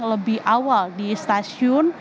lebih awal di stasiun